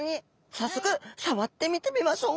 早速触ってみてみましょう。